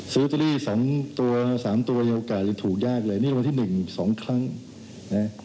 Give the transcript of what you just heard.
ซื้อเตอรี่๒ตัว๓ตัวโอกาสยังถูกยากเลยนี่ละวันที่๑๒ครั้งนะฮะ